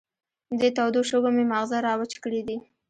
دې تودو شګو مې ماغزه را وچ کړې دي.